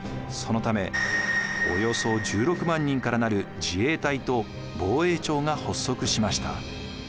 そのためおよそ１６万人から成る自衛隊と防衛庁が発足しました。